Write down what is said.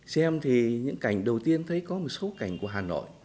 xem thì những cảnh đầu tiên thấy có một số cảnh của hà nội